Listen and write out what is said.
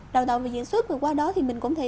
đào tạo về diễn xuất và qua đó thì mình cũng thể